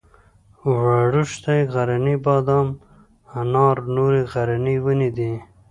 وړښتی غرنی بادام انار نورې غرنۍ ونې دي.